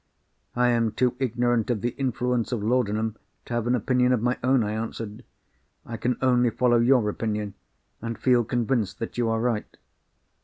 "I am too ignorant of the influence of laudanum to have an opinion of my own," I answered. "I can only follow your opinion, and feel convinced that you are right."